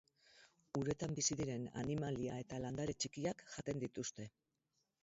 Uretan bizi diren animalia eta landare txikiak jaten dituzte.